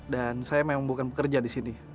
dan saya memang bukan pekerja di sini